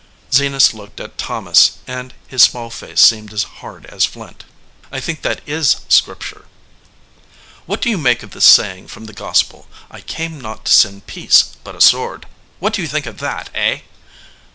Zenas looked at Thomas and his small face seemed as hard as flint. "I think that is Scripture." "What do you make of this saying from the Gospel, I came not to send peace, but a sword ? What do you think of that, eh?"